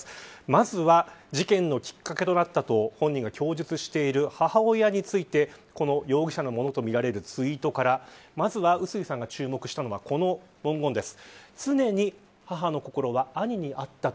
まずは事件のきっかけとなったと本人が供述している母親についてこの容疑者とみられるツイートからまずは、碓井さんが注目したのはこの文言です。